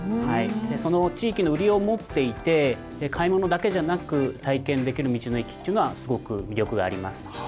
その地域の売りを持っていて、買い物だけじゃなく、体験できる道の駅っていうのは、すごく魅力があります。